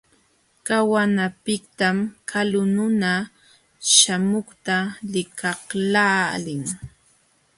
Qawanapiqtam kalu nuna śhamuqta likaqlaalin.